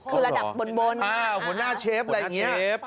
คือระดับบนหัวหน้าเชฟอะไรอย่างนี้เชฟ